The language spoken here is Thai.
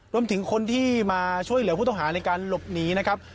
รวมถึงคนที่มาช่วยเหลือผู้ต้องหาในการหลบหนีนะครับ